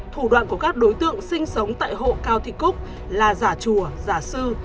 thủ đoạn của các đối tượng sinh sống tại hộ cao thị cúc là giả chùa giả sư